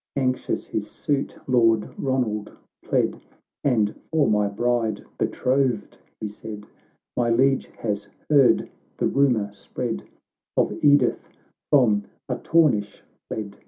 Anxious his suit Lord Ronald pled ;—" And for my bride betrothed," he said, " My Liege has heard the rumour spread Of Edith from Artornish fled.